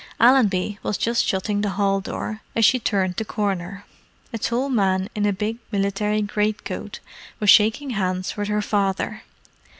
Allenby was just shutting the hall door as she turned the corner. A tall man in a big military greatcoat was shaking hands with her father.